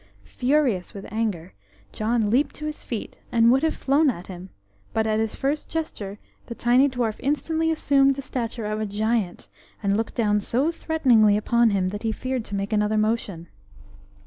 Furious with anger, John leaped to his feet and would have flown at him, but at his first gesture the tiny dwarf instantly assumed the stature of a giant, and looked down so threateningly upon him that he feared to make another motion.